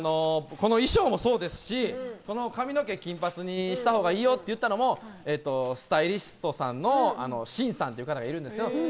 この衣装もそうですし「髪の毛金髪にした方がいいよ」って言ったのもスタイリストさんのシンさんっていう方がいるんですよ。